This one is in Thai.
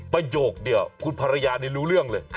ประโยคเดียวคุณภรรยานี่รู้เรื่องเลย